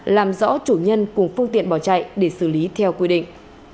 làm rõ chủ nhân cùng phương tiện bỏ chạy để xử lý theo quy định